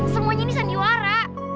semuanya ini sandiwara